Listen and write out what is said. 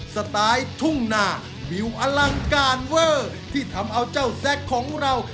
สไตล์ทุ่งนาวิวอลังการเวอร์ที่ทำเอาเจ้าแซ็กของเรา